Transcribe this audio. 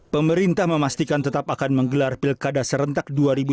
pemerintah memastikan tetap akan menggelar pilkada serentak dua ribu dua puluh